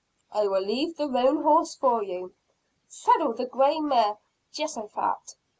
I will leave the roan horse for you." "Saddle the grey mare, Jehosaphat."